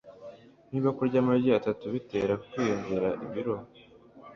Niba kurya amagi atatu bitera kwiyongera ibiro